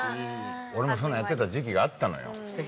俺もそんなのをやってた時期があったのよ。